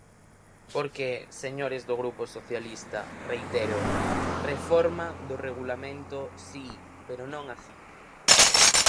Porque, señores do Grupo Socialista, reitero: reforma do Regulamento, si, pero non así.